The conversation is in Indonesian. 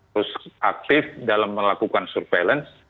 terus aktif dalam melakukan surveillance